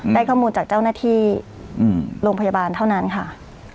ได้ข้อมูลจากเจ้าหน้าที่โรงพยาบาลเท่านั้นค่ะ